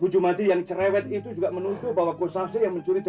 jumat yang cerewet itu juga menunggu bahwa kustasih yang mencuri